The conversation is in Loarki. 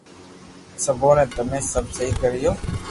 سپي بي تمي سب سھي ڪريو